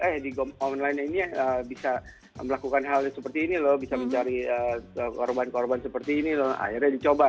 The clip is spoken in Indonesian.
eh di online ini bisa melakukan hal yang seperti ini loh bisa mencari korban korban seperti ini loh akhirnya dicoba